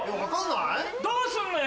どうすんのよ？